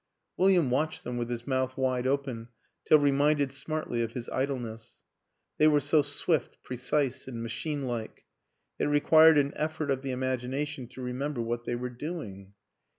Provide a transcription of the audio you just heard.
William watched them with his mouth wide open till reminded smartly of his idleness; they were so swift, precise and machine like. It re quired an effort of the imagination to remember what they were doing.